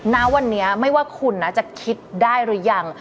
ณวันนี้ไม่ว่าคุณนะจะคิดได้หรือยัง